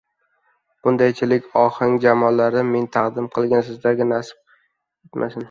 Bundaychikin ohangjamolarni men taqdim, sizlarga taqish nasib etmasin...